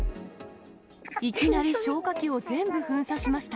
いきなり消火器を全部噴射しました。